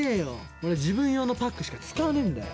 俺自分用のパックしか使わねえんだよ。